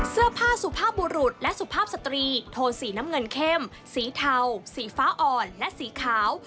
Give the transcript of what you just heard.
เสื้อผ้าสุภาพบุรุษและสุภาพสตรีโทนสีน้ำเงินเข้มสีเทาสีฟ้าอ่อนและสีขาว